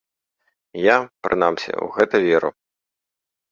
Я, прынамсі, у гэта веру.